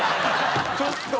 ちょっと！